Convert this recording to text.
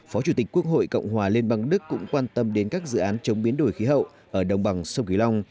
phó chủ tịch quốc hội cộng hòa liên bang đức cũng quan tâm đến các dự án chống biến đổi khí hậu ở đồng bằng sông kiều long